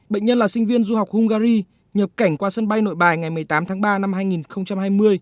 bệnh nhân là sinh viên du học hungary nhập cảnh qua sân bay nội bài ngày một mươi tám tháng ba năm hai nghìn hai mươi